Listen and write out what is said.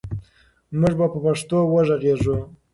موږ به په پښتو وغږېږو.